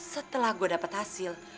setelah gue dapet hasil